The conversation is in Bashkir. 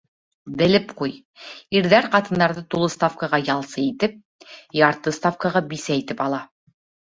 Белеп ҡуй: ирҙәр ҡатындарҙы тулы ставкаға -ялсы итеп, ярты ставкаға бисә итеп ала.